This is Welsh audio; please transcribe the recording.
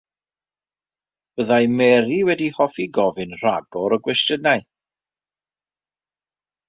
Byddai Mary wedi hoffi gofyn rhagor o gwestiynau.